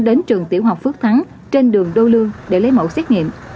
đến trường tiểu học phước thắng trên đường đô lương để lấy mẫu xét nghiệm